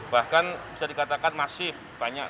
bahkan bisa dikatakan masif